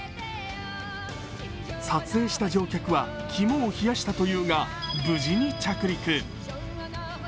撮影した乗客は肝を冷やしたというが、無事に着陸。